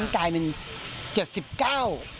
กลายเป็น๗๙โลกรัม